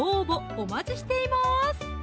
お待ちしています